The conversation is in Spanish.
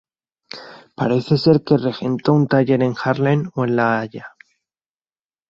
Parece ser que regentó un taller en Haarlem o en la La Haya.